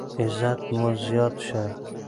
عزت مو زیات شه.